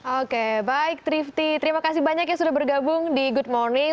oke baik trifty terima kasih banyak yang sudah bergabung di good morning